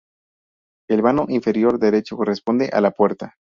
El vano inferior derecho corresponde a la puerta.